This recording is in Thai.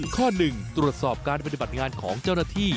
ข้อ๑ตรวจสอบการปฏิบัติงานของเจ้าหน้าที่